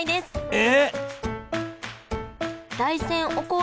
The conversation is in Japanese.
え